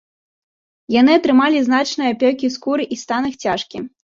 Яны атрымалі значныя апёкі скуры і стан іх цяжкі.